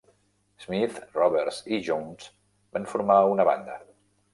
Smith, Roberts i Jones van formar una banda.